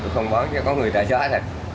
không bán chứ có người trả cho hết